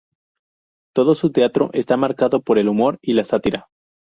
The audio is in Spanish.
Todo su teatro está marcado por el humor y la sátira.